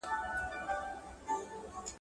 ده وویل چي پښتو زما د پوهې او حکمت نښه ده.